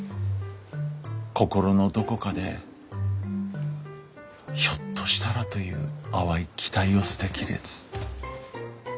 心のどこかでひょっとしたらという淡い期待を捨て切れず。